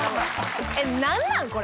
えっ何なんこれ。